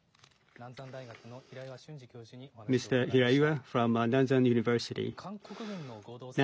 南山大学の平岩俊司教授にお話を伺いました。